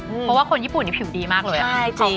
เพราะว่าคนญี่ปุ่นนี้ผิวดีมากเลยใช่จริง